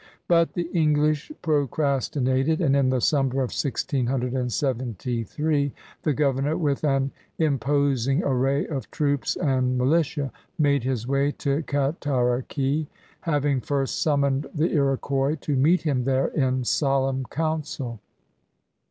But the English procrasti nated, and in the summer of 1673 the governor, with an imposing array of troops and militia, made his way to Cataraqui, having first summoned the Iroquois to meet him there in solemn council.